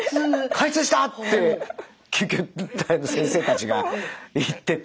「開通した」って救急隊の先生たちが言ってて。